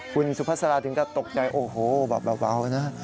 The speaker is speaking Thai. คุณสุภาษาถึงก็ตกใจโอ้โหแบบเบานะ